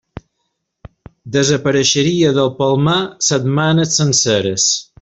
Desapareixia del Palmar setmanes senceres.